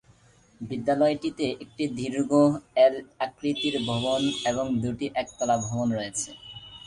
বিদ্যালয়টিতে একটি দীর্ঘ এল-আকৃতির ভবন এবং দুটি একতলা ভবন রয়েছে।